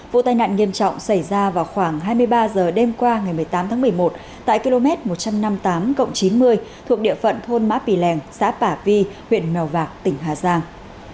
vụ tai nạn nghiêm trọng xảy ra vào khoảng hai mươi ba h đêm qua ngày một mươi tám tháng một mươi một tại km một trăm năm mươi tám chín mươi thuộc địa phận thôn mã pì lèng xã tả vi huyện mèo vạc tỉnh hà giang